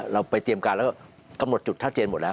เราไปเตรียมการแล้วกำหนดจุดชัดเจนหมดแล้ว